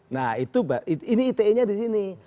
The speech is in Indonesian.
nah ini ite nya di sini